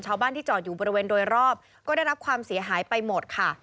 ชาวบ้านที่จอดอยู่บริเวณโดยรอบก็ได้รับความเสียหายไปหมดค่ะ